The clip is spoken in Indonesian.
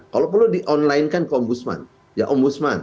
kalau perlu di online kan ke om busman